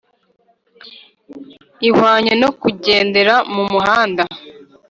ihwanye no kugendera mu muhanda